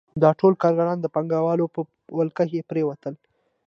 دا ټول کارګران د پانګوالو په ولکه کې پرېوتل